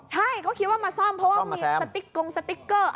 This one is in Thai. ใช่เขาคิดว่ามาซ่อมเพราะว่ามีสติ๊กกงสติ๊กเกอร์